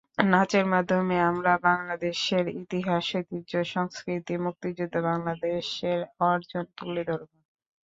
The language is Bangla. নাচের মাধ্যমে আমরা বাংলাদেশের ইতিহাস, ঐতিহ্য, সংস্কৃতি, মুক্তিযুদ্ধ, বাংলাদেশের অর্জন তুলে ধরব।